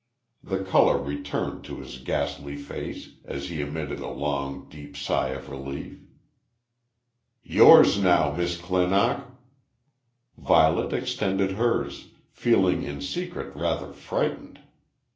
The colour returned to his ghastly face as he emitted a long deep sigh of relief. "Yours now, Miss Clinock." Violet extended hers, feeling in secret rather frightened.